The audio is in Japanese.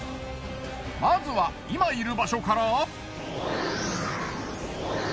まずは今いる場所から。